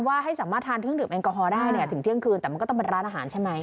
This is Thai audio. ให้สามารถทานเครื่องดื่มแอลกอฮอลได้เนี่ยถึงเที่ยงคืนแต่มันก็ต้องเป็นร้านอาหารใช่ไหม